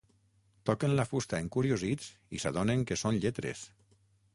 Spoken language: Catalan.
Toquen la fusta encuriosits i s'adonen que són lletres.